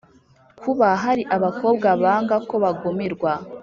kuba hari abakobwa banga ko bagumirwa